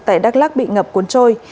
tại đắk lắc bị ngập cuốn trôi